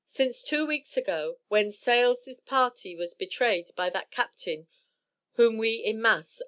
Since 2 weeks a go when Saless Party was betrayed by that Capt whom we in mass.